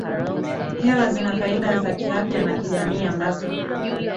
hewa zina faida za kiafya na kijamii ambazo